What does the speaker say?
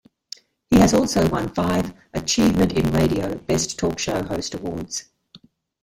He has also won five "Achievement in Radio" Best Talk Show Host awards.